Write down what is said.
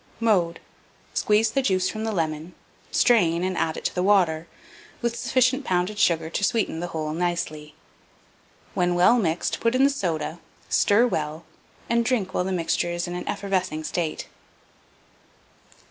Mode. Squeeze the juice from the lemon; strain, and add it to the water, with sufficient pounded sugar to sweeten the whole nicely. When well mixed, put in the soda, stir well, and drink while the mixture is in an effervescing state.